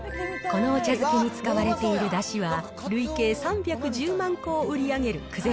このお茶漬けに使われているだしは、累計３１０万個を売り上げる久世